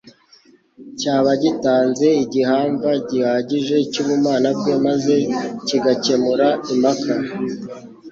cyaba gitanze igihamva gihagije cy'ubumana bwe maze kigakemura impaka.